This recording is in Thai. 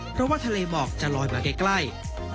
เพราะว่าทะเลหมอกจะลอยมาใกล้